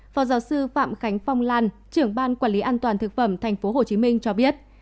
phó giáo sư phạm khánh phong lan trưởng ban quản lý an toàn thực phẩm tp hcm cho biết